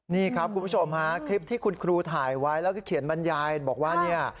นี่ครับคุณผู้ชมฮะคลิปที่คุณครูถ่ายไว้แล้วก็เขียนบรรยายบอกว่าเนี่ย